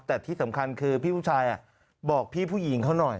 แต่ที่สำคัญคือพี่ผู้ชายบอกพี่ผู้หญิงเขาหน่อย